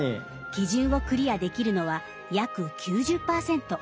基準をクリアできるのは約９０％。